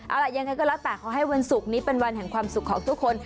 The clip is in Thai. เอาล่ะยังไงก็แล้วแต่ขอให้วันศุกร์นี้เป็นวันแห่งความสุขของทุกคน